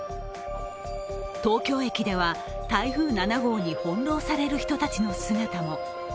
東京駅では、台風７号に翻弄される人たちの姿も。